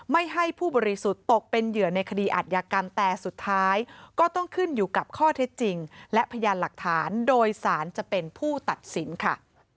ไม่ให้ผู้บริสุทธิ์ตกเป็นเหยื่อในคดีอาจยากรรมแต่สุดท้ายก็ต้องขึ้นอยู่กับข้อเท็จจริงและพยานหลักฐานโดยสารจะเป็นผู้ตัดสินค่ะ